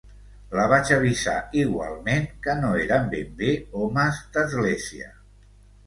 La vaig avisar igualment que no eren ben bé homes d'església...